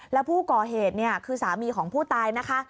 แล้วผู้ก่อเหตุคือสามีของผู้ตายนะคะ